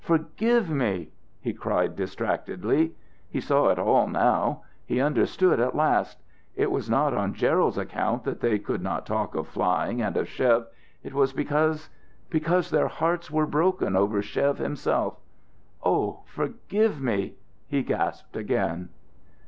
forgive me!" he cried distractedly. He saw it all now; he understood at last. It was not on Gerald's account that they could not talk of flying and of Chev, it was because because their hearts were broken over Chev himself. "Oh, forgive me!" he gasped again.